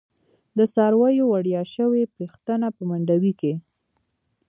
تر څارویو وړیاشوی، پیښتنه په منډوی کی